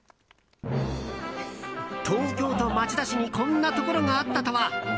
東京都町田市にこんなところがあったとは！